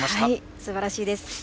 すばらしいです。